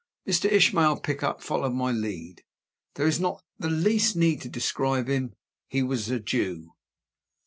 Mr. Ishmael Pickup followed my lead. There is not the least need to describe him he was a Jew.